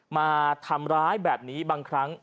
มาทำร้ายแบบนี้บางครั้ง